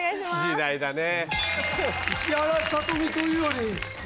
時代だね。